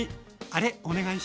あれ！